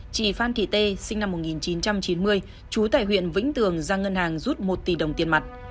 chị phan thị tê sinh năm một nghìn chín trăm chín mươi trú tại huyện vĩnh tường ra ngân hàng rút một tỷ đồng tiền mặt